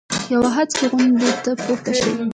یوې هسکې غونډۍ ته پورته شي.